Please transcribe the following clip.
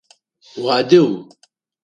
Уадыг?